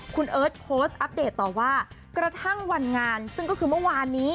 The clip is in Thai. คุณเอิร์ทโพสต์อัปเดตต่อว่ากระทั่งวันงานซึ่งก็คือเมื่อวานนี้